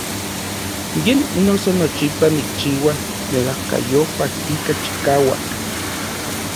Yen noso nochipa nikchiua melajkayopaj ika chikauak.